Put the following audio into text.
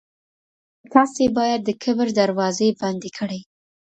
تاسي باید د کبر دروازې بندې کړئ.